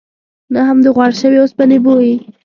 نه هم د غوړ شوي اوسپنې بوی.